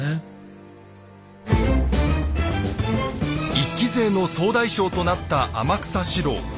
一揆勢の総大将となった天草四郎。